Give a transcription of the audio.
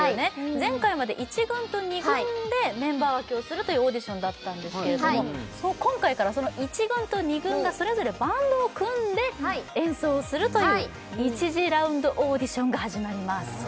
前回まで１軍と２軍でメンバー分けをするというオーディションだったんですけれども今回からその１軍と２軍がそれぞれバンドを組んで演奏をするという１次ラウンドオーディションが始まります